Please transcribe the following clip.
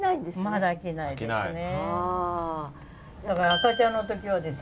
まだ飽きないですね。